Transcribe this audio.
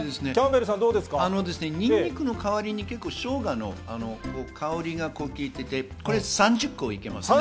ニンニクの代わりにショウガの香りが効いていて、３０個いけますね。